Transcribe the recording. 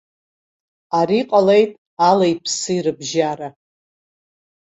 Ари ҟалеит али-ԥси рыбжьара.